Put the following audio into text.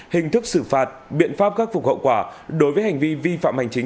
hình thức xử phạt biện pháp khắc phục hậu quả đối với hành vi vi phạm hành chính